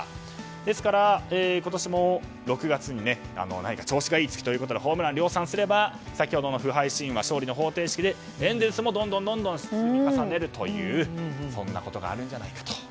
ですから今年も６月に調子がいい月ということでホームランを量産すれば先ほどの不敗神話勝利の方程式でエンゼルスも勝利をどんどん積み重ねるというそんなことがあるんじゃないかと。